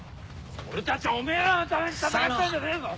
俺たちはおめぇらのために戦ったんじゃねえぞ！